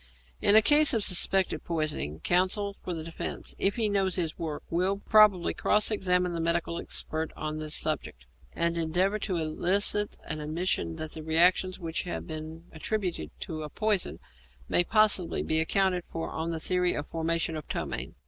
In a case of suspected poisoning, counsel for the defence, if he knows his work, will probably cross examine the medical expert on this subject, and endeavour to elicit an admission that the reactions which have been attributed to a poison may possibly be accounted for on the theory of the formation of a ptomaine.